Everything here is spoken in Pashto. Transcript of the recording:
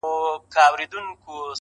زما د تصور لاس گراني ستا پر ځــنگانـه.